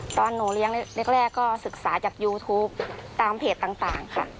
ตอนหนูเลี้ยงแรกก็ศึกษาจากยูทูปตามเพจต่างค่ะ